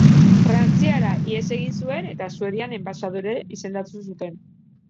Frantziara ihes egin zuen, eta Suedian enbaxadore izendatu zuten.